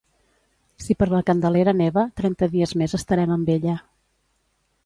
Si per la Candelera neva, trenta dies més estarem amb ella.